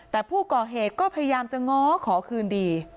แต่ผู้ก่อเหตุก็พยายามจะง้อขอคืนดี